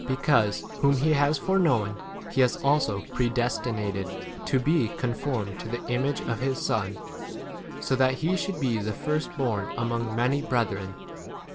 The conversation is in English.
Because whom he has foreknown, he has also predestinated [to be] con formed to the image of his Son, so that he should be [the] first born 30 among many brethren.